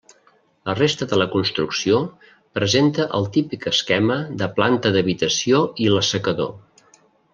La resta de la construcció presenta el típic esquema de planta d'habitació i l'assecador.